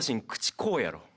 こうやろ。